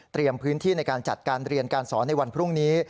พื้นที่ในการจัดการเรียนการสอนในวันพรุ่งนี้